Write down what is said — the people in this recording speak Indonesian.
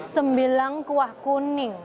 sembilang kuah kuning